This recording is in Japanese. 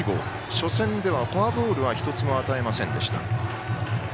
初戦ではフォアボールは１つも与えませんでした。